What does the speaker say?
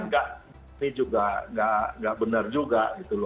kan ini juga tidak benar juga